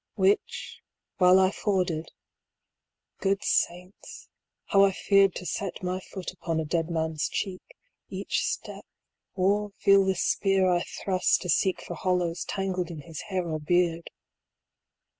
120 Which, while I forded good saints, how I feared To set my foot upon a dead man's cheek, Each step, or feel the spear I thrust to seek For hollows, tangled in his hair or beard!